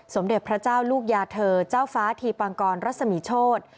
สมเด็จพระเจ้าลูกยาเธอเจ้าฟ้าทีปังกรรัศมีโชธ